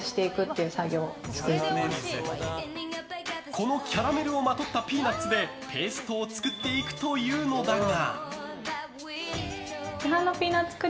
このキャラメルをまとったピーナツでペーストを作っていくというのだが。